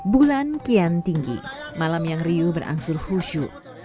bulan kian tinggi malam yang riuh berangsur khusyuk